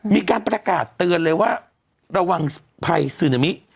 มีการประกาศเตือนเลยว่าระวังภัยซึนามิ